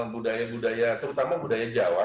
budaya budaya terutama budaya jawa